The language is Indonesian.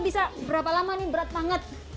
bisa berapa lama nih berat banget